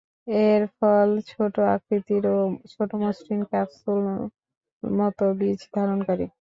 এর ফল ছোট আকৃতির ও ছোট মসৃণ ক্যাপসুল মতো বীজ ধারণকারী।